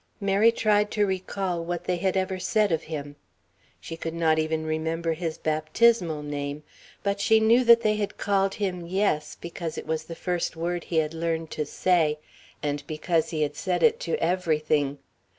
Mary tried to recall what they had ever said of him. She could not even remember his baptismal name, but she knew that they had called him "Yes" because it was the first word he had learned to say, and because he had said it to everything.